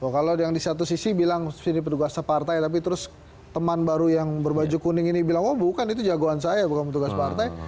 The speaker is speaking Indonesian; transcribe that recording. kalau yang di satu sisi bilang sini petugas partai tapi terus teman baru yang berbaju kuning ini bilang oh bukan itu jagoan saya bukan petugas partai